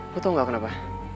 lo tau gak kenapa